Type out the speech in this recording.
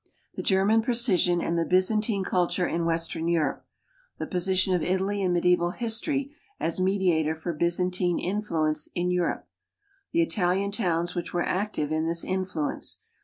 The German precision and the Byzantine culture in western Europe. The position of Italy in mediaeval history as mediator for Byzantine influ ence in Europe. The Italian towns which were active in this influence.